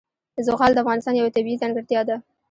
زغال د افغانستان یوه طبیعي ځانګړتیا ده.